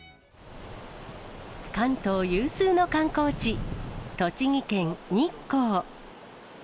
関東有数の観光地、栃木県日光。